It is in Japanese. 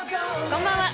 こんばんは。